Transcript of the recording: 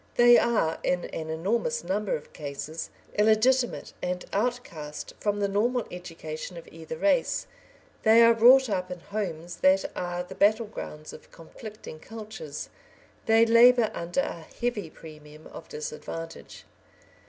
They are, in an enormous number of cases, illegitimate and outcast from the normal education of either race; they are brought up in homes that are the battle grounds of conflicting cultures; they labour under a heavy premium of disadvantage.